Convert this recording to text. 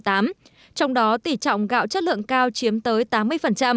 trong đó tỉ trọng gạo chất lượng cao chiếm tới tám mươi